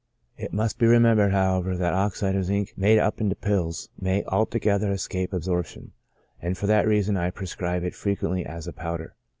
It must be remembered, however, that oxide of zinc made up into pills may altogether escape ab sorption, and for that reason I prescribe it frequently as a powder.